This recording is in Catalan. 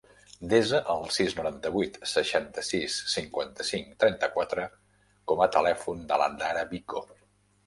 Desa el sis, noranta-vuit, seixanta-sis, cinquanta-cinc, trenta-quatre com a telèfon de la Dara Vico.